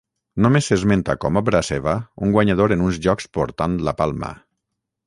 Només s'esmenta com obra seva un guanyador en uns jocs portant la palma.